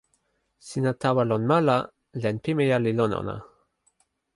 sina tawa lon ma la, len pimeja li lon ona.